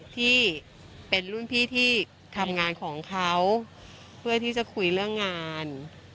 ที่เป็นรุ่นพี่ที่ทำงานของเขาเพื่อที่จะคุยเรื่องงาน